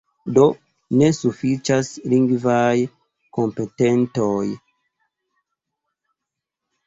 Do, ne sufiĉas lingvaj kompetentoj.